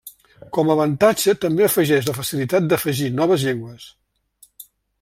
Com a avantatge també afegeix la facilitat d'afegir noves llengües.